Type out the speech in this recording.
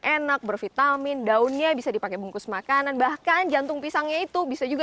enak bervitamin daunnya bisa dipakai bungkus makanan bahkan jantung pisangnya itu bisa juga